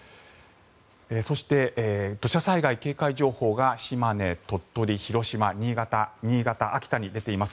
そして、土砂災害警戒情報が島根、鳥取、広島、新潟、秋田に出ています。